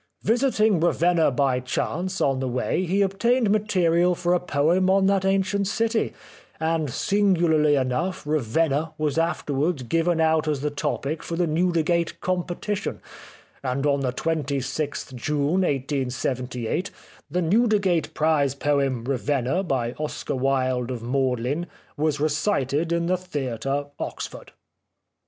Visiting Ravenna by chance on the way he obtained material for a poem on that ancient city ; and singularly enough ' Ravenna/ was afterwards given out as the topic for the Newdigate competition, and on the 26th June 1878 the Newdigate prize poem ' Ravenna ' by Oscar Wilde of Magdalen, was recited in the theatre, Oxford."